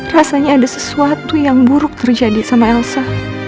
rasanya ada sesuatu yang buruk terjadi sama elsa